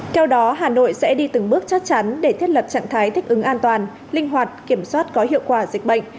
theo đó hà nội sẽ đi từng bước chắc chắn để thiết lập trạng thái thích ứng an toàn linh hoạt kiểm soát có hiệu quả dịch bệnh